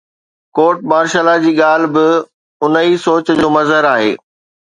Court martial law جي ڳالهه به ان ئي سوچ جو مظهر آهي.